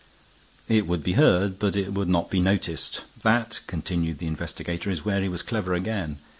"It would be heard. But it would not be noticed. That," continued the investigator, "is where he was clever again.